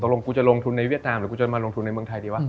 ลงกูจะลงทุนในเวียดนามหรือกูจะมาลงทุนในเมืองไทยดีวะ